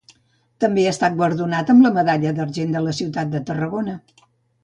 També ha estat guardonat amb la Medalla d'Argent de la ciutat de Tarragona.